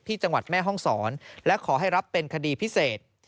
จังหวัดแม่ห้องศรและขอให้รับเป็นคดีพิเศษ